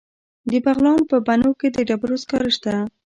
د بغلان په بنو کې د ډبرو سکاره شته.